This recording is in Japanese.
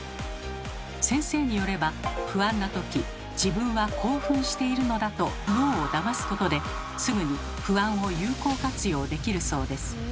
先生によれば不安な時自分は興奮しているのだと脳をだますことですぐに不安を有効活用できるそうです。